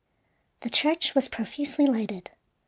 The church was profusely lighted.